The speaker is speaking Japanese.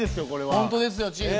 本当ですよチーフ。